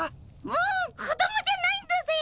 もう子供じゃないんだぜ。